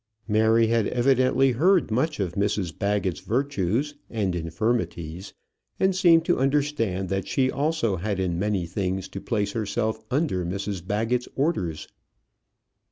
Mary had evidently heard much of Mrs Baggett's virtues, and infirmities, and seemed to understand that she also had in many things to place herself under Mrs Baggett's orders.